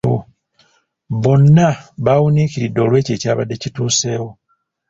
Bonna bawuniikiridde olw'ekyo ekyabadde kituseewo.